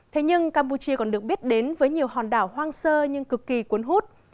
thế nhưng campuchia còn được biết đến với nhiều hòn đảo hoang sơ nhưng cực kỳ cuốn hút